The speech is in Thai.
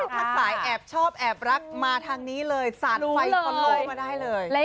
ถ้าสายแอบชอบแอบรักมาทางนี้เลยสาดไฟคนโลกมาได้เลย